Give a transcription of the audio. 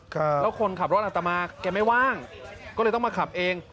แล้วคนขับรถอัตมาแกไม่ว่างก็เลยต้องมาขับเอง